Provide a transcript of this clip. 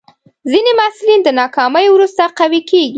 ځینې محصلین د ناکامۍ وروسته قوي کېږي.